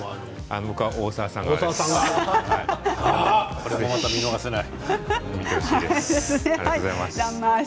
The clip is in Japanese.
これまた見逃せない。